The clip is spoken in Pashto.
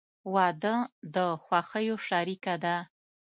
• واده د خوښیو شریکه ده.